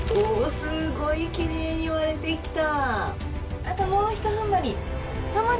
すごいきれいに割れて来た。